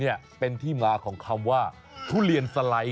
นี่เป็นที่มาของคำว่าทุเรียนสไลด์